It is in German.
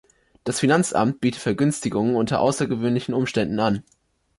Das Finanzamt bietet Vergünstigungen unter außergewöhnlichen Umständen an.